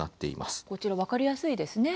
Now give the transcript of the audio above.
こちら分かりやすいですね。